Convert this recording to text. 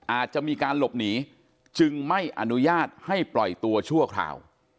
อาจจะมีการหลบหนีจึงไม่อนุญาตให้ปล่อยตัวชั่วคราว